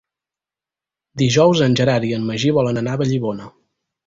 Dijous en Gerard i en Magí volen anar a Vallibona.